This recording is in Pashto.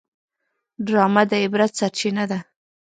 ډرامه د عبرت سرچینه ده